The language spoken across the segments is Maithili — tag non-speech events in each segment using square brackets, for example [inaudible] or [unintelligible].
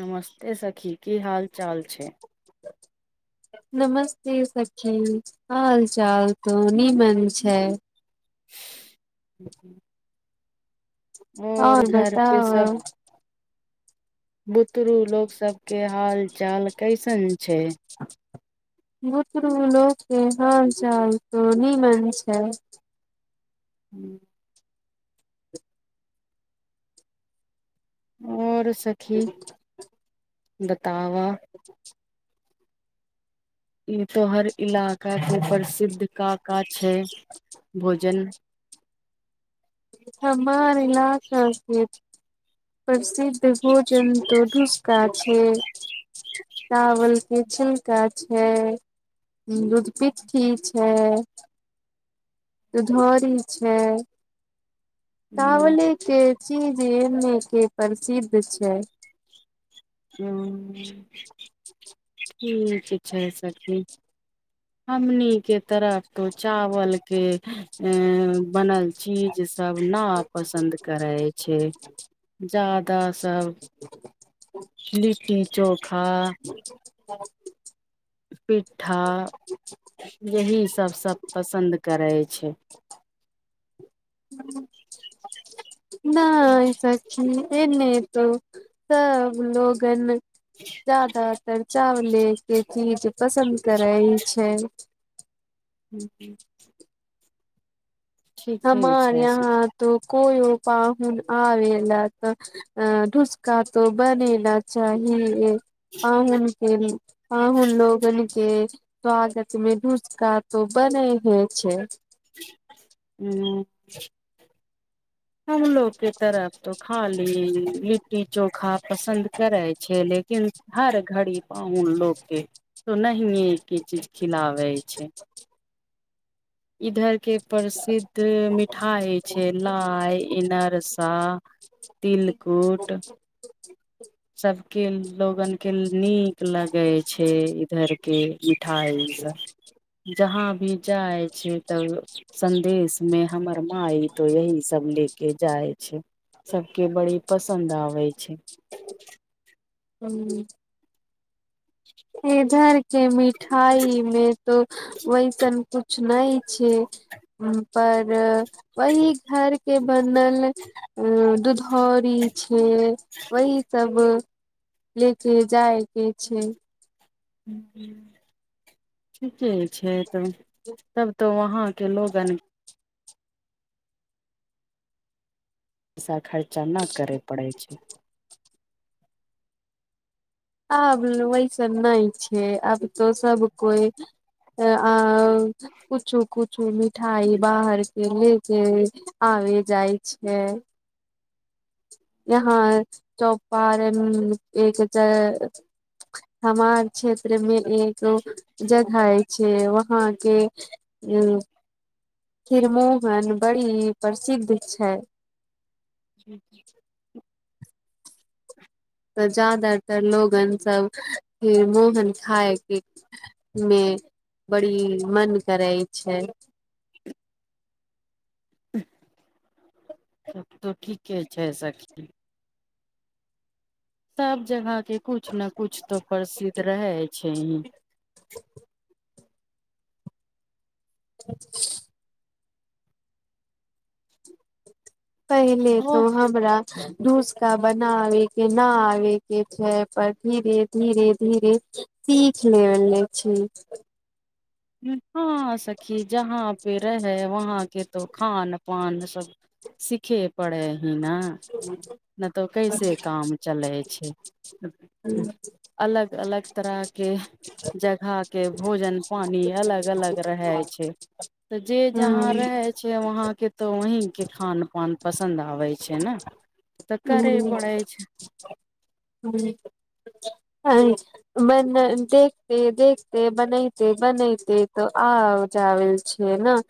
नमस्ते सखी की हाल चाल छै। नमस्ते सखी हाल चाल त निमन छै। [inaudible] आओर बताउ। बुतरु। लोकोग सबके हाल चाल कैसन छै। बुत्रलके हर जाल नि मन छै। ह्म। आओर सखी देख [unintelligible] ई तो हर इलाकाके प्रसिद्ध काका छै भोजन। हमार इलाका। प्रसिद्ध भोजन तो ढूसका छै चावल के छिलका छै दूधपि्ठी छै। दुधौरी छै चावले के चीजे मे के प्रसिद्ध छै। हु ठीक छै सखी। हमनी के तरफ तो चावल के बनल चीज सभ ना पसन्द करै छै, जादा सभ लिट्टी-चोखा पिट्ठा, यही सभ सभ पसन्द करै छै। नई सखी एने तो सब लोगन जादातर चावले के चीज पसन्द करैत छै। ह्म ह्म हमार छै यहा तो कोय पाहन आवेला तऽ, अ ढुसका तो बनेला चाहि। पाहुन के, पाहुन लोगन के स्वगत मे धूसका त बनेहे छैय। हू। हम लोक के तरफ तो खाली ई के चो खा पसन्द करे छै, लेकिन हर घड़ी पाहुन लोग के तो नही नि एके चीज खिला वे छै इधर के प्रसिद्ध मिठाइ छैय, लाई, इनरसा, तिलकुट। सब के लोगन के नीक लगे छै इधर के मिठाई सब जहा भी जाय छै तब, सदेश में हमर माय तो यही सब ले के जाय छैय। सबके बड़ी पसन्द आबै छै। [inaudible] हू। इधर के मिठाई मे तो वैसन कुछ नई छैय पर वही घर के बनल अ दुधौरी छै वही सब ले के जाइ के छैय। ठीके। छै त तब तऽ वहांके लोगन। पैसा खर्चा। जमा करे पड़ै छै। आब वैसन नहि छैय आब त सब कोइ आ। पुछु कुछ। मिठाइ बाहर के ले के आ जाइ छैय। यहाँ चौपार एक त हमार क्षेत्रमे एक जगह छैय वहााँके उ। खिरमोहन बड़ी प्रसिद्ध छै। [inaudible] तऽ जादातर लोगन सभके मोहन खाय के मे बड़ी मन करै छैय। सभ तऽ ठीके छै सखी। सब जगह। के कुछ ने कुछ तो प्रसिद्ध रहे हई। छैय। [inaudible] पहिले तो ओ हमरा। नुसका बनाबे के न आबे के छैय पर धीरे धीरे धीरे सीख लेेले छी। हँ सखी जहाँ पे रहै वहाँके तो खान पान सब सिखे पड़ै। है ना। नहि तऽ कैसे काम चलै छैय अलग। तरह के जगह के भोजन पानी अलग अलग रहे छै तऽ जे ह जहाँ रहे छैय वहां के। तऽ वहीं के खान पान पसन्द आबै छैय नइ। त करे परे छैय। ह्म। बन देखते देखते बनैते बनैते तऽ आ जाब छैय नइ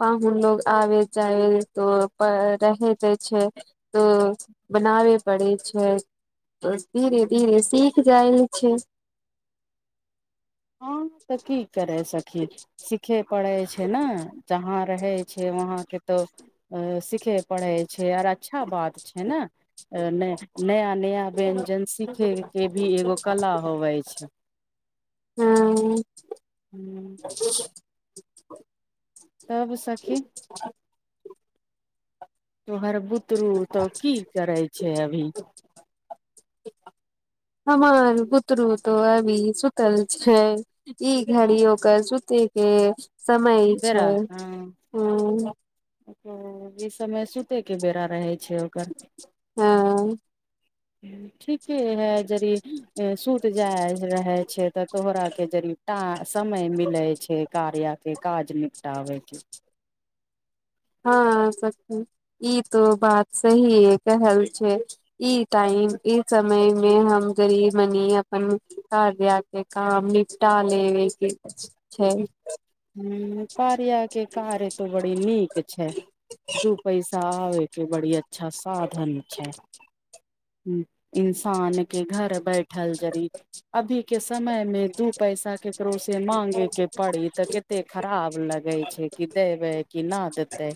पाहुन लोग आबैत जाय तऽ रहे छै तऽ बनाबे पड़ै छैय। ब धीरे धीरे सीख। जाइल छैय। हँ तऽ की। करै सखी सीखे पड़े छै। हय नै जहाँ रहे छै वहाँ के तो अ सीखे पढ़ै छैय आर अच्छा बात छैय नइ नया नया व्यंजन सिखयके भी एगो कला होबै छैय। ह ह्म्म। [unintelligible] तब सखी तोहर बुतरू तऽ की करै छै अभी। हमर बूतरू तो अभी सुतल छै। ई घड़ी ओकर सुतै के समय छै, हाँ। ओ ई समय सूतै के बेरा रहै हाँ। ह्म्म ठी के हय जरी ए सुत जाय रहे छै तऽ तोहरा के जरीटा समय मिले छै कार्या के काज निपटाबै के। हाँ सखी ई तो बात सहीये कहल छै। ई टाइम, ई समय मे मे हम जरी मनी अपन घर, दुआर के काम निपटा लेबे के छै। ह्म्म कार्या के कार्य तो बड़ी नीक छै, दू पैसा आबय के बड़ी अच्छा साधन छै। ह्म्म इंसान के घर बैठल जरी अभी के समय मे दू पैसा केकरो से ते माँगे के पड़ी तऽ के तै खराब लगै छै कि देबै कि ना देतै।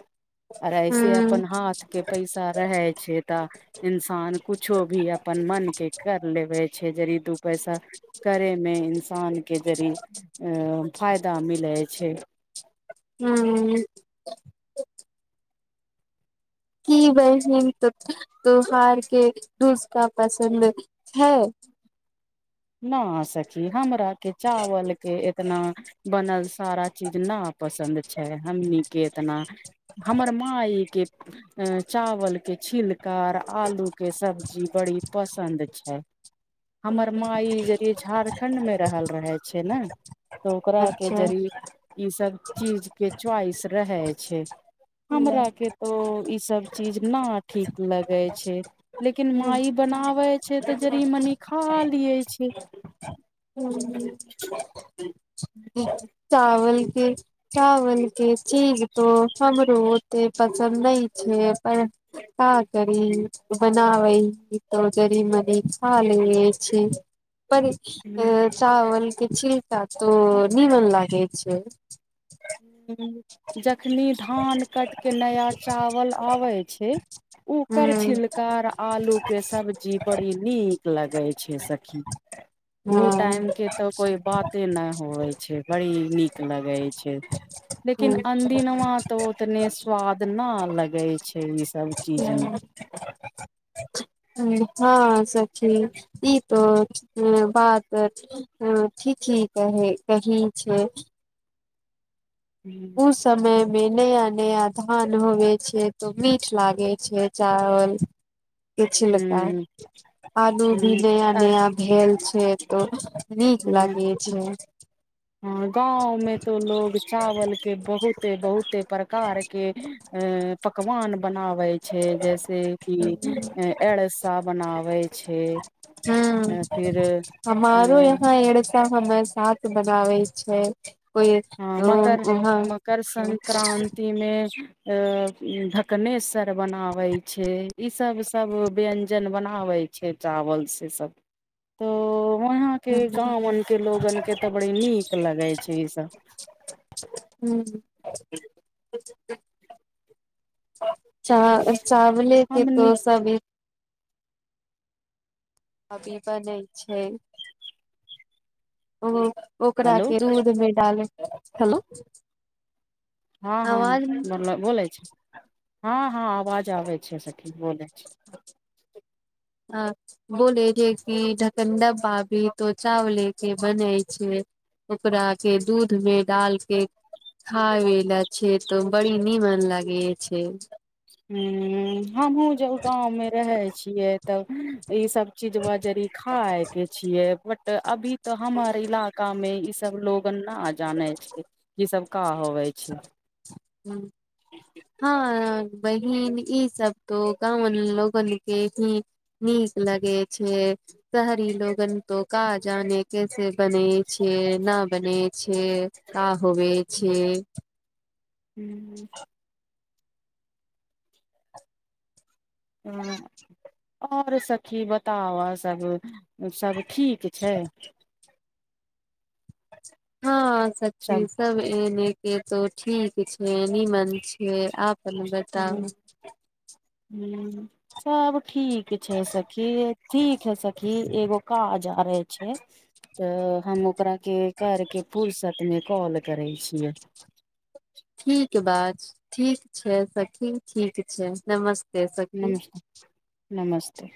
आर ऐसे हूँ अपन हाथ के पैसा रहे छै तऽ इंसान कुछो भी अपन मन के कर लेवे छै, जड़ी दू पैसा करे मे इंसान के जड़ी अ फायदा मिले छै। हूँ की बहिन तो तोहार के टुसका पसन्द छै। ना सखी हमरा के चावल के एतना बनल सारा चीज ना पसन्द छै, हमनी के एतना, हमर माई के ए चावल के छिलका आर आलूके सब्जी बड़ी पसन्द छै। हमरा माई जरी झारखन्ड में रहल रहे छै नै। हें। तऽ ओकरा के अच्छा जरी ई सब चीज के च्वाइस रहे छै, हमरा के तो ई सब चीज ना ठीक लगै छै। लेकिन माई बनाबै छै तऽ जरी मनी खा हु। [unintelligible] [unintelligible] चावल के चावल के चीज तो हमरो ओते पसन्द नै छेयै पर का करी बनाबै ई तौ जरी मे तै खा लेलिए छै बड़ी अ छै चावल के छिलका तो निमन लागे छै। हुं, जखनी धान कट के नया चावल आबै छै ओकर ह छिल कार आलू के सब्जी बड़ी नीक लगे छै सखी, उ टाइम के तऽ कोई बाते न होवे छै, बड़ी नीक लगे छै। लेकिन अनदिनमा तऽ ओतने स्वाद नै लगै छै इ सब चीज मे। हुं। हअ सखी ठीक इ त ह, बात त ठीक ह, ठीक ही कहे कही छैय। मे ओ समय ह मे नया नया धान होवे छैय तो मीठ लागे छैय चावल। के छिलका, ह आलू भी नया ह आर नया भेल छैय तो नीक लागे छैय। ह, गाँंव में तो लोग चावल के बहुते बहुते प्रकार के ए पकवान बनाबै छै, जैसेक कि अनरसा बनाबै छै, हूँ फिर अ हमारो यहाँ एरसा हमे साथ बनाबै छैय। हँ मकर मकर संक्रान्तिमे अअ ढकनेस्वर बनाबै छैय ईसभ सभ व्यञ्जन बनाबै छै चावल से सभ तऽ। वहां के गांव आ के लोगन के तऽ बड़ नीक लगे छै इ सब। [unintelligible] च, चावले के हमनी डोसा भी अभ ई बनै छैय। ओ। ओकरा हेलो के राउड में डाल हेलोवीन। हँ हँ मतलब बोल बोलै छैय हँ हँ आवाज आबै छैय सखिन बोलै छैय। आ बोले है कि ढकनडबाभी तो चावले के बनै छैय ओकरा के दूध मे डाल के खएे ल छै तो बड़ी नीमन लागे छैय। हु अ आ हमहुूँ जब गाँवमे रहै छियै। तब ई सब चीज बजड़ खाय के छियै। अभी। तऽ हमारे इलाका में इ। सब लोक। ना जानै छैय ई सब। का। होबै छैय। ह हँ। [unintelligible] बहिन ई सब तो गावन लोगन के ही नीक लगे छै शहरी लोगन तो का जाने कैसे बने। छेना बने। के का होबे छै। हं। और सखी बताव सब। सभ ठीक छै। हँ। सची सब एने। से तो ठीक छ। निमन छै आपने बताउ। हम्म। तब ठीक छै सखी ठीक है सखी एगो। का जा र छै, त हम ओकरा के करके र्फूसत में कॉल करै छियै। ठीक बा, ठीक छै, सखी ठीक छै नमस नमस्ते।